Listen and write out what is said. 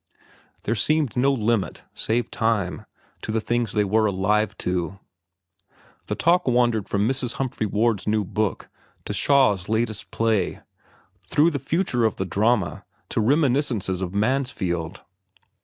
There seemed no limit save time to the things they were alive to. The talk wandered from Mrs. Humphry Ward's new book to Shaw's latest play, through the future of the drama to reminiscences of Mansfield.